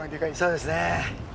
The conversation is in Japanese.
そうですね。